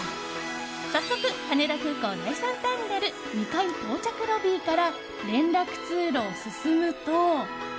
早速、羽田空港第３ターミナル２階到着ロビーから連絡通路を進むと。